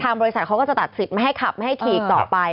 บริษัทเขาก็จะตัดสิทธิ์ไม่ให้ขับไม่ให้ขี่ต่อไป